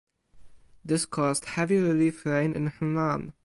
This caused heavy relief rain in Henan.